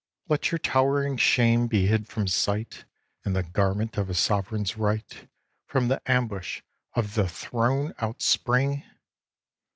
Let your towering shame be hid from sight In the garment of a sovereign's right, From the ambush of the throne outspring!